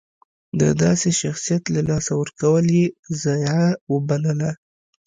د داسې شخصیت له لاسه ورکول یې ضایعه وبلله.